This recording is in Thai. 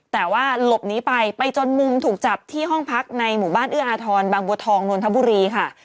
แต่ว่าหลบหนีไปไปจนมุมถูกจับที่ห้องพักในหมู่บ้านเอื้ออาทรบางบัวทองนนทบุรีค่ะ